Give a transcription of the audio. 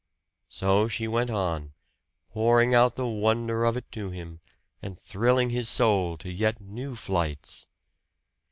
So she went on, pouring out the wonder of it to him, and thrilling his soul to yet new flights.